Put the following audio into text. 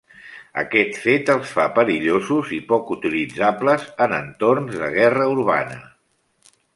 Aquest fet els fa perillosos i poc utilitzables en entorns de guerra urbana.